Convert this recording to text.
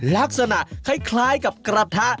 ลักษณะคล้ายกับกระทะ